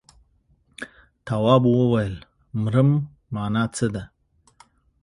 تواب وويل: مرم مانا څه ده.